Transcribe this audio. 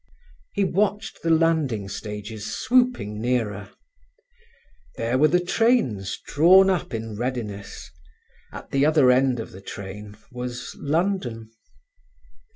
He watched the landing stages swooping nearer. There were the trains drawn up in readiness. At the other end of the train was London.